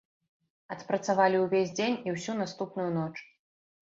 Адпрацавалі ўвесь дзень і ўсю наступную ноч.